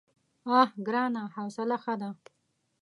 _اه ګرانه! حوصله ښه ده.